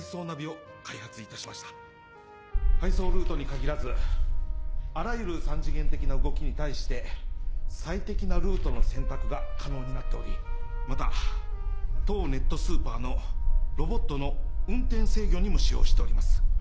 配送ルートに限らずあらゆる三次元的な動きに対して最適なルートの選択が可能になっておりまた当ネットスーパーのロボットの運転制御にも使用しております。